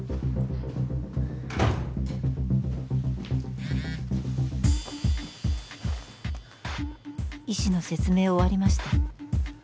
ピッ「医師の説明終わりました」。